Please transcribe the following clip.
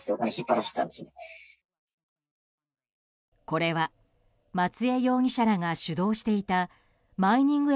これは松江容疑者らが主導していたマイニング